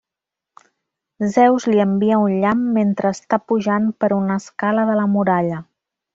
Zeus li envia un llamp mentre està pujant per una escala de la muralla.